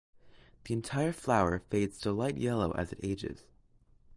The entire flower fades to light yellow as it ages.